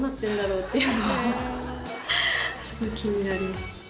すごい気になります。